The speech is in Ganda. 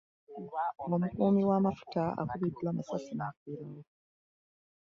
Omukuumi wa mafuta akubiddwa amasasi n'afiirawo.